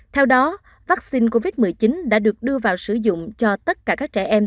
theo đó vaccine covid một mươi chín đã được đưa vào sử dụng cho tất cả các trẻ em